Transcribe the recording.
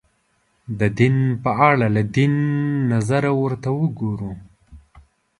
د دین په اړه له دین نظره ورته وګورو